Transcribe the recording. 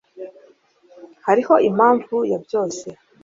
hariho impamvu ya byose